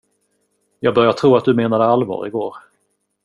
Jag börjar tro att du menade allvar i går.